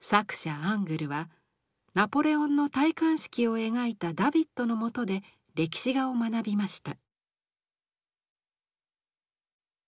作者アングルはナポレオンの戴冠式を描いたダヴィッドのもとで歴史画を学びました。